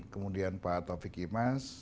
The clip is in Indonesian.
kemudian pak taufik imas